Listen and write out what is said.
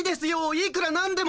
いくらなんでも。